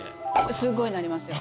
すごいなりますよ。